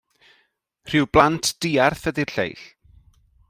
Rhyw blant diarth ydi'r lleill!